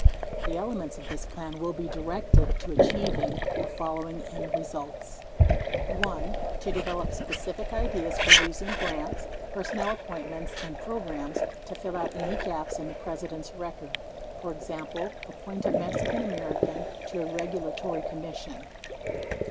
The elements of this plan will be directed to achieving the following end results : 1. To develop specific ideas for using grants, personnel appointments and programs to fill out any gaps in the Presi dent's record, e.g., appoint a Mexican American to a regula tory commission.